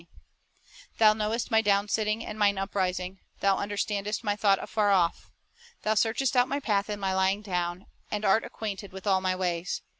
Science and the Bible 133 "Thou knowest my downsitting and mine uprising, Thou understandest my thought afar off. Thou searchest out my path and my lying down, And art acquainted with all my ways.